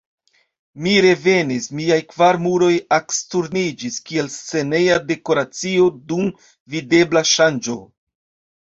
Mi revenis: miaj kvar muroj aksturniĝis, kiel sceneja dekoracio dum videbla ŝanĝo.